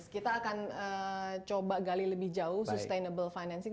kita akan coba gali lebih jauh sustainable financing